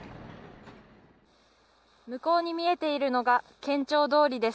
向こうに見えているのが通りです。